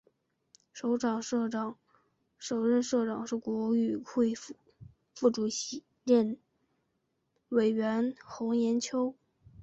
首任社长是国语会副主任委员洪炎秋。